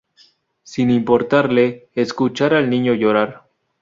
Sin importarle, escuchar al niño llorar.